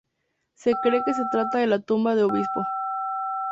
Se cree que se trata de la tumba del obispo.